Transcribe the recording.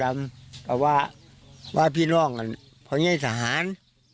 แล้วว่าพี่น้องไปไหนสะหาร